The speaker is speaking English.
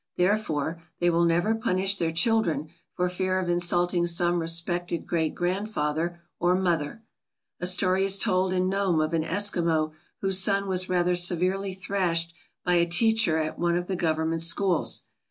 Therefore, they will never punish their children for fear of insulting some respected great grandfather or mother. A story is told in Nome of an Eskimo whose son was rather severely thrashed by a teacher at one of the government schools.